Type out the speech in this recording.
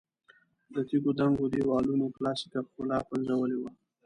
د تیږو دنګو دېوالونو کلاسیکه ښکلا پنځولې وه.